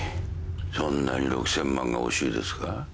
そんなに６，０００万が惜しいですか？